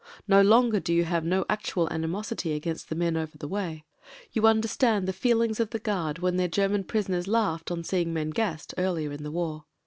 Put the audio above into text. No longer do you have no actual animosity against the men over the way. You under stand the feelings of the guard when their German prisoners laughed on seeing men gassed — earlier in the war.